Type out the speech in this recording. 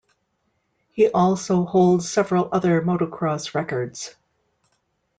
He also holds several other motocross records.